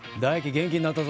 元気になったぞ。